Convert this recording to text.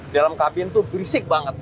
dalam kabin tuh berisik banget